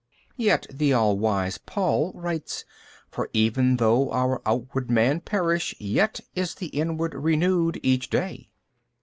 B. Yet the all wise Paul writes, For even though our outward man perish yet is the inward renewed each day.